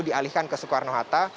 dialihkan ke soekarno hatta